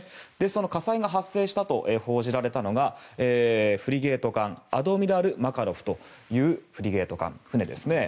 その火災が発生したと報じられたのがフリゲート艦「アドミラル・マカロフ」というフリゲート艦、船ですね。